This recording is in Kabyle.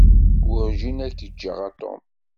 Werjin ad k-ǧǧeɣ a Tom.